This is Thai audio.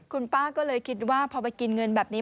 คุณป้าก็เลยคิดว่าพอไปกินเงินแบบนี้